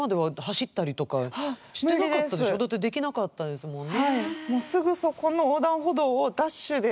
だってできなかったですもんね。